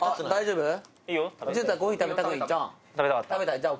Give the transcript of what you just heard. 大丈夫？